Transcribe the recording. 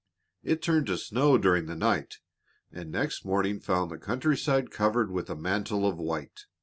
It turned to snow during the night, and next morning found the country side covered with a mantle of white.